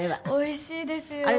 おいしいですよ！